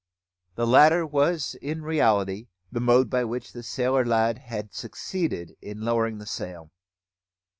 The latter was in reality the mode by which the sailor lad had succeeded in lowering the sail.